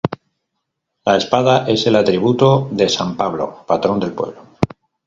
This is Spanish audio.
La espada es el atributo de san Pablo, patrón del pueblo.